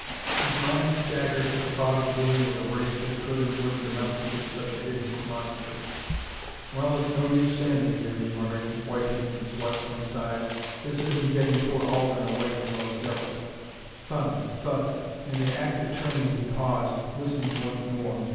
His mind, staggered at the thought of dealing with a race that could and would domesticate such a hideous monster. "Well, it's no use standing here," he muttered, wiping the sweat from his eyes. "This isn't getting poor Alden away from those devils." Thud! thud! In the act of turning he paused, listened once more.